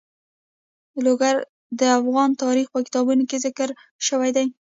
لوگر د افغان تاریخ په کتابونو کې ذکر شوی دي.